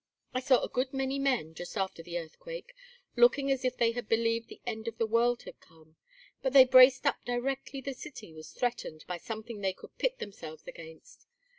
I saw a good many men, just after the earthquake, looking as if they had believed the end of the world had come, but they braced up directly the city was threatened by something they could pit themselves against.